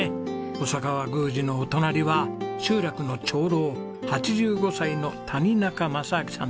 細川宮司のお隣は集落の長老８５歳の谷中正秋さんです。